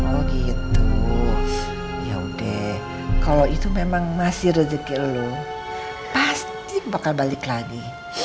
oh gitu ya udah kalau itu memang masih rezeki lo pasti bakal balik lagi